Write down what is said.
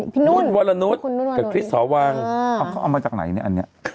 พี่นุ่นวลานุศกับคริสต์ศาวางเขาเอามาจากไหนเนี่ยอันนี้